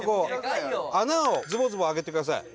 穴をズボズボ空けてください。